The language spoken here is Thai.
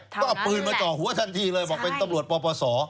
ก็เอาปืนมาจ่อหัวทันทีเลยบอกเป็นตำรวจปปศ